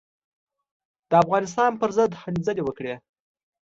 د افغانستان پر ضد هلې ځلې وکړې.